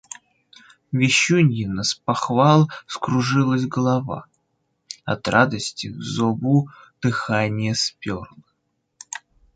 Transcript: Вещуньина с похвал вскружилась голова. От радости в зобу дыханье сперло